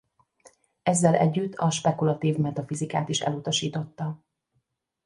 Ezzel együtt a spekulatív metafizikát is elutasította.